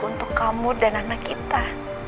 untuk kamu dan anak kita